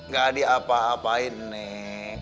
gak ada apa apain nek